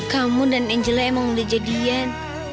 kamu dan angela emang udah jadian